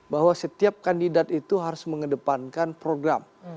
bahwa setiap kandidat itu harus mengedepankan program